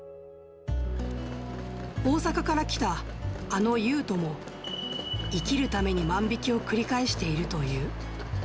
大阪から来たあのユウトも、生きるために万引きを繰り返しているという。